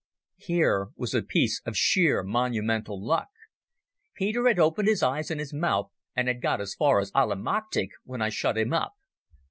Here was a piece of sheer monumental luck. Peter had opened his eyes and his mouth, and had got as far as "Allemachtig", when I shut him up.